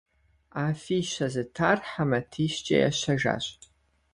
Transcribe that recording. Афищэ зытар хьэ матищкӀэ ящэжащ.